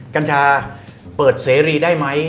กันชาเปิดซีรีย์ได้ไหม